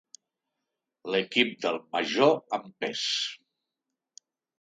L'equip del Major en pes.